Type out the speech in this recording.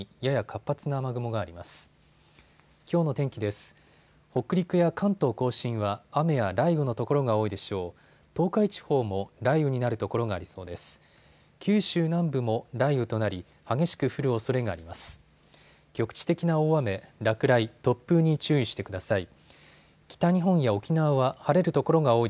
局地的な大雨、落雷、突風に注意してください。